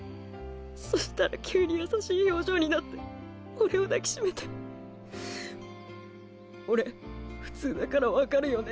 そしたら急に優しい表情になって俺を抱き締めて「俺普通だから分かるよね？」